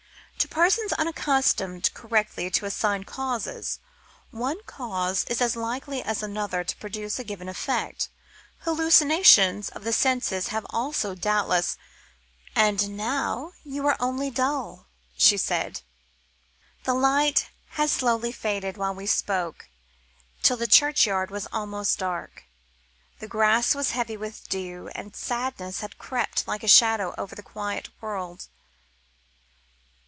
To persons unaccustomed correctly to assign causes, one cause is as likely as another to produce a given effect. Hallucinations of the senses have also, doubtless " "And now you're only dull," she said. The light had slowly faded while we spoke till the churchyard was almost dark, the grass was heavy with dew, and sadness had crept like a shadow over the quiet world.